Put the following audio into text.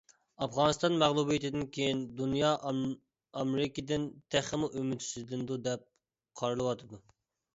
ئافغانىستان مەغلۇبىيىتىدىن كىيىن دۇنيا ئامېرىكىدىن تېخىمۇ ئۈمىدسىزلىنىدۇ دەپ قارىلىۋاتىدۇ.